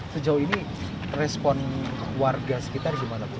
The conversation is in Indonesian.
sejauh ini respon warga sekitar gimana bu